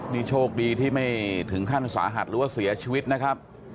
นี่โชคดีที่ไม่ถึงขั้นสาหัสหรือว่าเสียชีวิตนะครับ